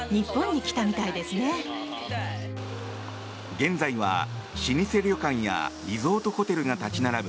現在は老舗旅館やリゾートホテルが立ち並ぶ